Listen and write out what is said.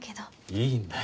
いいんだよ。